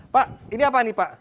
pak ini apa nih pak